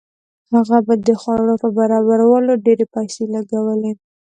هغه به د خوړو په برابرولو ډېرې پیسې لګولې.